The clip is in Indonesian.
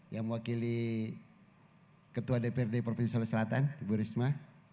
yang mewakili ketua dprd provinsi sulawesi selatan ibu risma